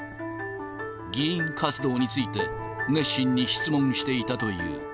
議員活動について、熱心に質問していたという。